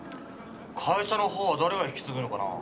会社のほうは誰が引き継ぐのかな？